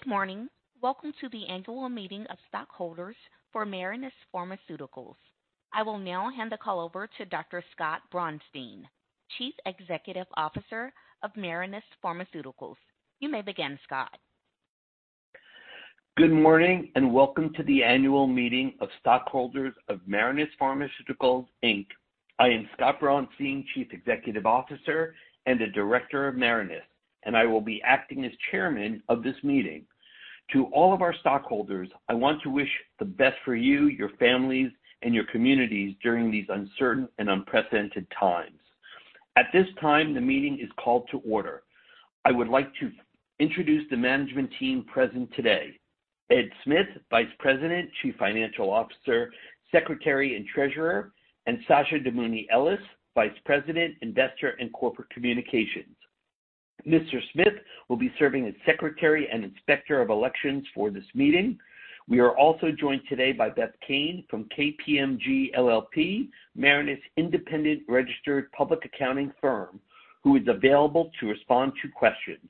Good morning. Welcome to the annual meeting of stockholders for Marinus Pharmaceuticals. I will now hand the call over to Dr. Scott Braunstein, Chief Executive Officer of Marinus Pharmaceuticals. You may begin, Scott. Good morning, welcome to the annual meeting of stockholders of Marinus Pharmaceuticals Inc. I am Scott Braunstein, Chief Executive Officer and a director of Marinus, and I will be acting as chairman of this meeting. To all of our stockholders, I want to wish the best for you, your families, and your communities during these uncertain and unprecedented times. At this time, the meeting is called to order. I would like to introduce the management team present today. Ed Smith, Vice President, Chief Financial Officer, Secretary, and Treasurer, and Sasha Damouni Ellis, Vice President, Investor and Corporate Communications. Mr. Smith will be serving as secretary and inspector of elections for this meeting. We are also joined today by Beth Kane from KPMG LLP, Marinus' independent registered public accounting firm, who is available to respond to questions.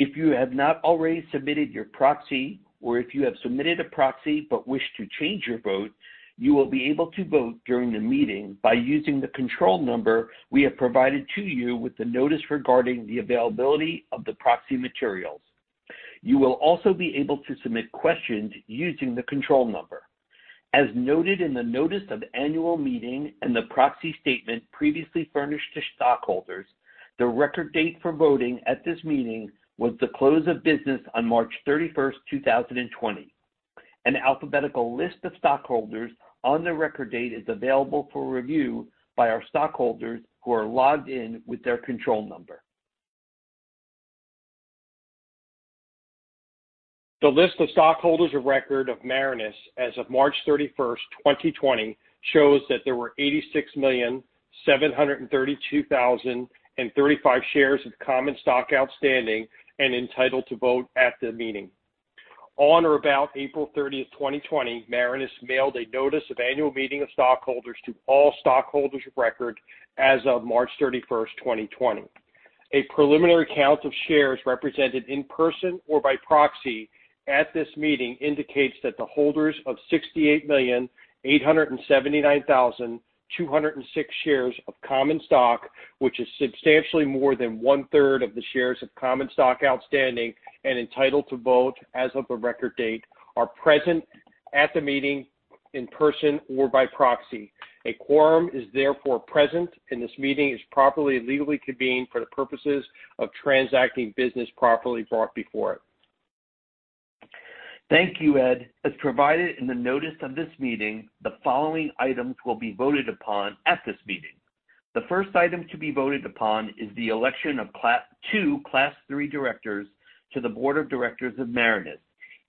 If you have not already submitted your proxy, or if you have submitted a proxy but wish to change your vote, you will be able to vote during the meeting by using the control number we have provided to you with the notice regarding the availability of the proxy materials. You will also be able to submit questions using the control number. As noted in the notice of annual meeting and the proxy statement previously furnished to stockholders, the record date for voting at this meeting was the close of business on March 31st, 2020. An alphabetical list of stockholders on the record date is available for review by our stockholders who are logged in with their control number. The list of stockholders of record of Marinus as of March 31st, 2020, shows that there were 86,732,035 shares of common stock outstanding and entitled to vote at the meeting. On or about April 30th, 2020, Marinus mailed a notice of annual meeting of stockholders to all stockholders of record as of March 31st, 2020. A preliminary count of shares represented in person or by proxy at this meeting indicates that the holders of 68,879,206 shares of common stock, which is substantially more than 1/3 of the shares of common stock outstanding and entitled to vote as of the record date, are present at the meeting in person or by proxy. A quorum is therefore present, and this meeting is properly and legally convened for the purposes of transacting business properly brought before it. Thank you, Ed. As provided in the notice of this meeting, the following items will be voted upon at this meeting. The first item to be voted upon is the election of two Class III directors to the Board of Directors of Marinus,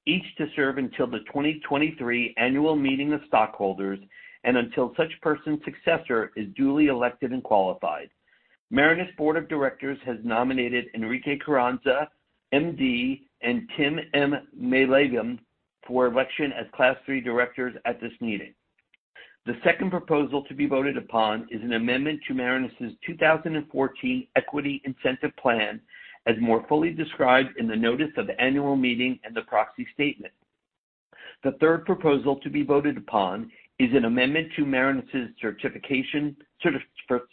each to serve until the 2023 annual meeting of stockholders and until such person's successor is duly elected and qualified. Marinus' Board of Directors has nominated Enrique J. Carrazana, MD, and Tim M. Mayleben for election as Class III directors at this meeting. The second proposal to be voted upon is an amendment to Marinus' 2014 Equity Incentive Plan, as more fully described in the notice of annual meeting and the proxy statement. The third proposal to be voted upon is an amendment to Marinus'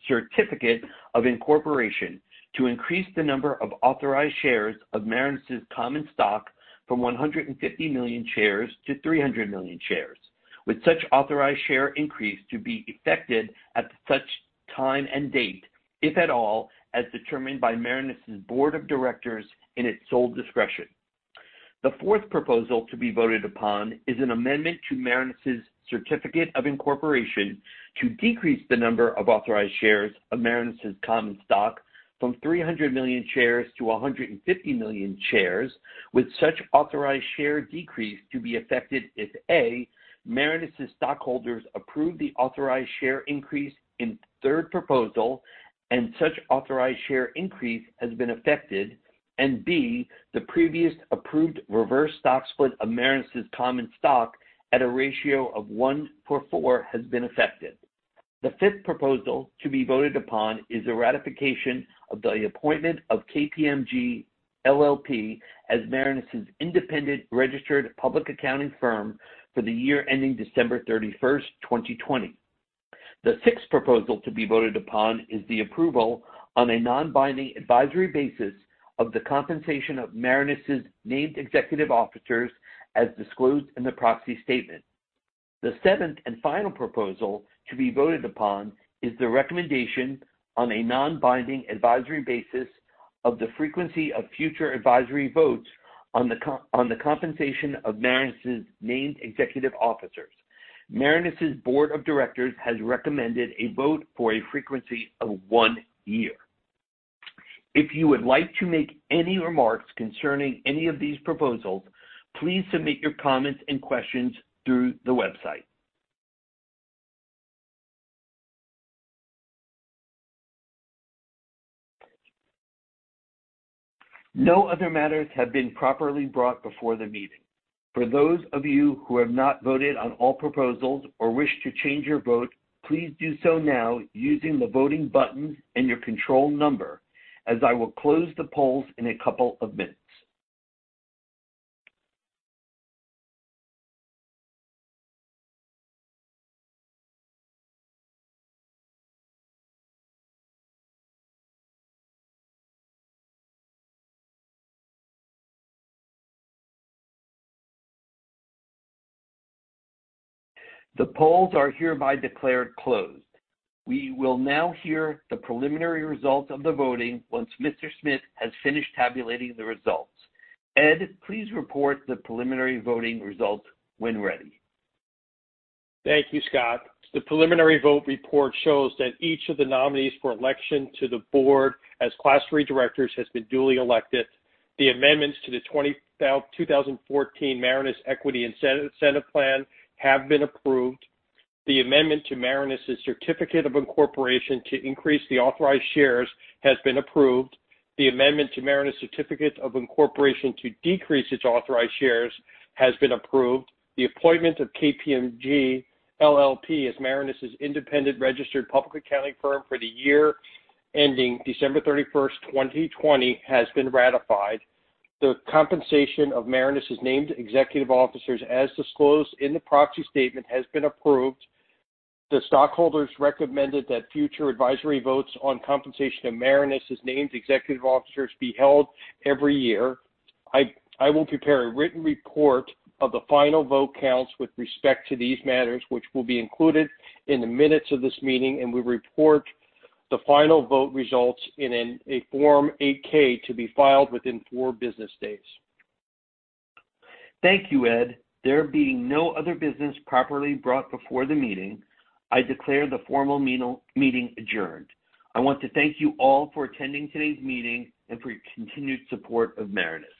certificate of incorporation to increase the number of authorized shares of Marinus' common stock from 150 million shares to 300 million shares, with such authorized share increase to be effected at such time and date, if at all, as determined by Marinus' board of directors in its sole discretion. The fourth proposal to be voted upon is an amendment to Marinus' certificate of incorporation to decrease the number of authorized shares of Marinus' common stock from 300 million shares to 150 million shares, with such authorized share decrease to be effected if, A, Marinus' stockholders approve the authorized share increase in third proposal and such authorized share increase has been effected, and B, the previously approved reverse stock split of Marinus' common stock at a ratio of one for four has been effected. The fifth proposal to be voted upon is a ratification of the appointment of KPMG LLP as Marinus' independent registered public accounting firm for the year ending December 31st, 2020. The sixth proposal to be voted upon is the approval on a non-binding advisory basis of the compensation of Marinus' named executive officers as disclosed in the proxy statement. The seventh and final proposal to be voted upon is the recommendation on a non-binding advisory basis of the frequency of future advisory votes on the compensation of Marinus' named executive officers. Marinus' board of directors has recommended a vote for a frequency of one year. If you would like to make any remarks concerning any of these proposals, please submit your comments and questions through the website. No other matters have been properly brought before the meeting. For those of you who have not voted on all proposals or wish to change your vote, please do so now using the voting button and your control number, as I will close the polls in a couple of minutes. The polls are hereby declared closed. We will now hear the preliminary results of the voting once Mr. Smith has finished tabulating the results. Ed, please report the preliminary voting results when ready. Thank you, Scott. The preliminary vote report shows that each of the nominees for election to the board as Class III directors has been duly elected. The amendments to the 2014 Equity Incentive Plan have been approved. The amendment to Marinus' certificate of incorporation to increase the authorized shares has been approved. The amendment to Marinus' certificate of incorporation to decrease its authorized shares has been approved. The appointment of KPMG LLP as Marinus' independent registered public accounting firm for the year ending December 31st, 2020, has been ratified. The compensation of Marinus' named executive officers, as disclosed in the proxy statement, has been approved. The stockholders recommended that future advisory votes on compensation of Marinus' named executive officers be held every year. I will prepare a written report of the final vote counts with respect to these matters, which will be included in the minutes of this meeting, and we report the final vote results in a Form 8-K to be filed within four business days. Thank you, Ed. There being no other business properly brought before the meeting, I declare the formal meeting adjourned. I want to thank you all for attending today's meeting and for your continued support of Marinus.